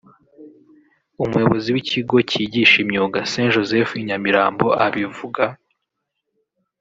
umuyobozi w’ikigo kigisha imyuga st Joseph i Nyamirambo abivuga